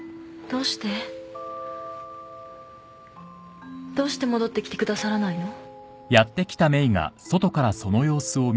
どうして戻ってきてくださらないの？